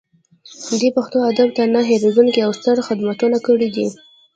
دوی پښتو ادب ته نه هیریدونکي او ستر خدمتونه کړي دي